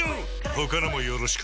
他のもよろしく